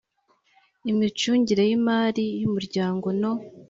imicungire y imari y umuryango no